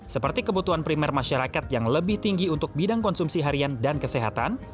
seperti kebutuhan primer masyarakat yang lebih tinggi untuk bidang konsumsi harian dan kesehatan